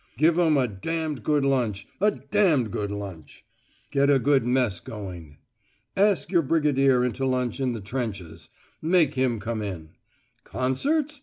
"Give 'em a d d good lunch a d d good lunch." "Get a good mess going." "Ask your Brigadier into lunch in the trenches: make him come in." "Concerts?